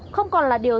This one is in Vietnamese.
không còn là điều